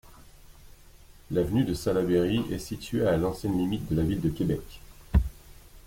L'avenue De Salaberry est située à l'ancienne limite de la ville de Québec.